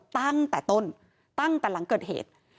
ตั้งแต่ต้นตั้งแต่หลังเกิดเหตุ